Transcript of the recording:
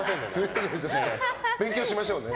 勉強しましょうね。